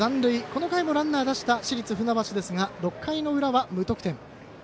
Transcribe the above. この回もランナー出した市立船橋ですが６回の裏は無得点。